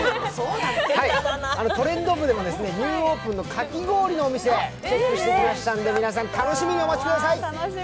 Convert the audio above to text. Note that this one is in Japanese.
「トレンド部」でもニューオープンのかき氷のお店、チェックしてきましたんで皆さん、楽しみにお待ちください。